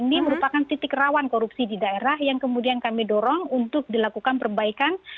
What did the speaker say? ini merupakan titik rawan korupsi di daerah yang kemudian kami dorong untuk dilakukan perbaikan